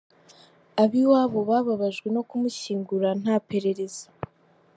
Ab’iwabo bababajwe no kumushyingura nta perereza.